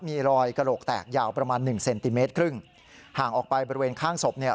มีรอยกระโหลกแตกยาวประมาณหนึ่งเซนติเมตรครึ่งห่างออกไปบริเวณข้างศพเนี่ย